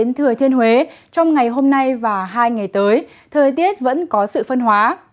đến thừa thiên huế trong ngày hôm nay và hai ngày tới thời tiết vẫn có sự phân hóa